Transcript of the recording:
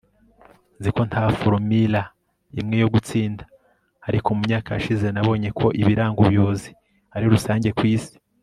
nzi ko nta formula imwe yo gutsinda. ariko mu myaka yashize, nabonye ko ibiranga ubuyobozi ari rusange ku isi